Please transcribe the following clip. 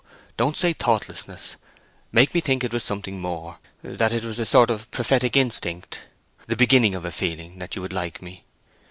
Don't say thoughtlessness! Make me think it was something more—that it was a sort of prophetic instinct—the beginning of a feeling that you would like me.